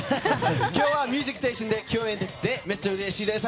今日は「ミュージックステーション」で共演できてめっちゃうれしいです。